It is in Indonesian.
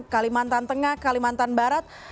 kalimantan tengah kalimantan barat